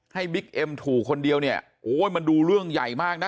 ให้บิ๊กเอ็มถูกคนเดียวมันดูเรื่องใหญ่มากนะ